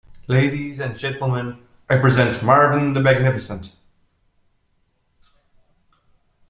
Ladies and gentlemen, I present Marvin the magnificent.